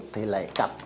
thì lại cặp